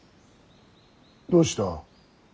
どうした。